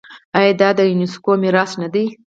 آیا دا د یونیسکو میراث نه دی؟